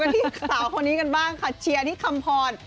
ไปดูกันสาวคนนี้กันบ้างค่ะเซียที่คำพล์น